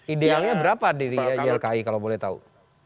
idealnya berapa dari ylki kalau boleh tahu